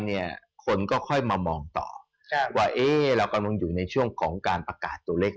เนี่ยคนก็ค่อยมามองต่อว่าเอ๊ะเรากำลังอยู่ในช่วงของการประกาศตัวเลข